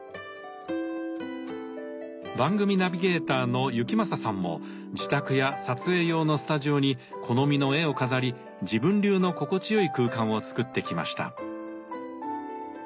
番組ナビゲーターの行正さんも自宅や撮影用のスタジオに好みの絵を飾り自分流の心地よい空間を作ってきました。